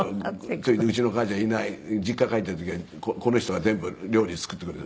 それでうちの母ちゃんいない実家帰っている時はこの人が全部料理作ってくれる。